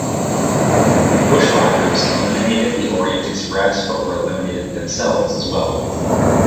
The Bushwhackers eliminated the Orient Express but were eliminated themselves as well.